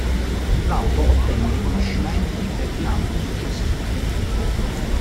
L'auto ottenne riconoscimenti per gli ampi successi sportivi.